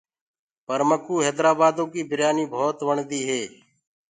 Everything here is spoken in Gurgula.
پر مڪو هيدرآبآدو ڪيٚ بِريآنيٚ ڀوت وڻديٚ هي۔